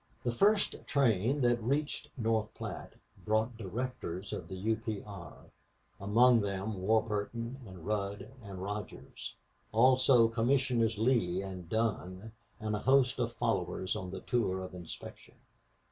The first train that reached North Platte brought directors of the U. P. R. among them Warburton and Rudd and Rogers; also Commissioners Lee and Dunn and a host of followers on a tour of inspection.